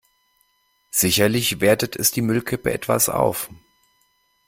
Sicherlich wertet es die Müllkippe etwas auf.